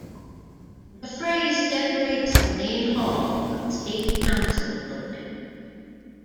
The phrase decorates the main hall of State Council Building.